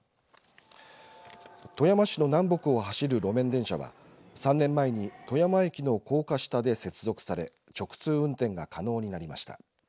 富山市の南北を走る路面電車は３年前に富山駅の高架下で接続され直通運転が可能になりました。